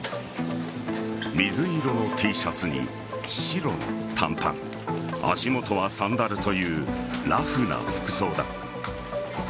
水色のＴシャツに白の短パン足元はサンダルというラフな服装だ。